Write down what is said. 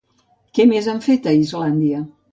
Què més han fet a Islàndia?